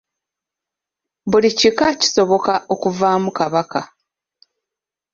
Buli kika kisoboka okuvaamu Kabaka.